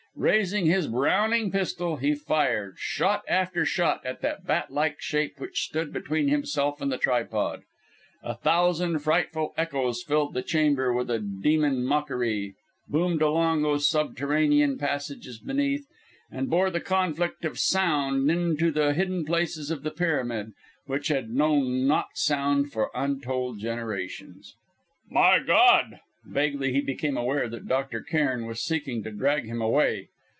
Raising his Browning pistol, he fired shot after shot at that bat like shape which stood between himself and the tripod! A thousand frightful echoes filled the chamber with a demon mockery, boomed along those subterranean passages beneath, and bore the conflict of sound into the hidden places of the pyramid which had known not sound for untold generations. "My God !" Vaguely he became aware that Dr. Cairn was seeking to drag him away.